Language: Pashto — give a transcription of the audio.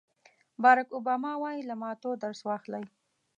باراک اوباما وایي له ماتو درس واخلئ.